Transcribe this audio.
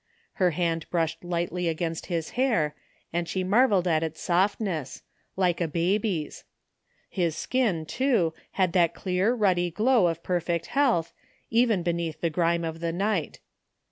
Her hand brushed lightly against his hair, and she marvelled at its softness — ^like a baby's. His skin, too, had that clear ruddy glow of perfect health, even be neath the grime of the night.